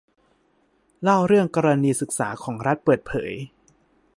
เล่าเรื่องกรณีศึกษาของรัฐเปิดเผย